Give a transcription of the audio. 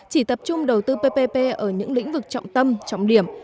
chỉ tập trung đầu tư ppp ở những lĩnh vực trọng tâm trọng điểm